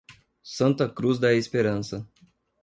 Santa Cruz da Esperança